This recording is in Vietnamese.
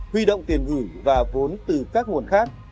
huy động tiền gửi và vốn từ các nguồn khác